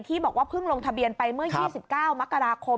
บอกว่าเพิ่งลงทะเบียนไปเมื่อ๒๙มกราคม